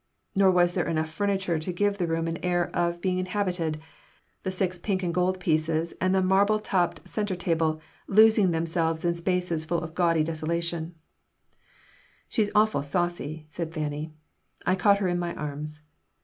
Nor was there enough furniture to give the room an air of being inhabited, the six pink and gold pieces and the marble topped center table losing themselves in spaces full of gaudy desolation "She's awful saucy," said Fanny. I caught her in my arms.